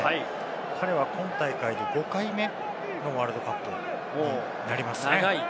彼は今大会５回目のワールドカップになりますね。